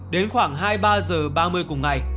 đến khoảng hai mươi ba h ba mươi cùng ngày